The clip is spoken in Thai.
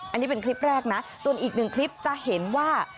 อันนี้เป็นคลิปแรกนะส่วนอีกหนึ่งคลิปจะเห็นว่า